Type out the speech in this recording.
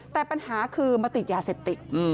แต่ปัญหาคือมาติดยาเสพติด